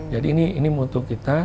jadi ini untuk kita